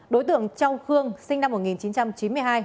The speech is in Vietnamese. đối tượng trong khương sinh năm hai nghìn một mươi ba